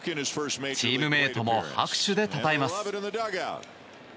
チームメートも拍手でたたえます。